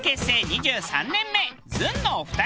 ２３年目ずんのお二人。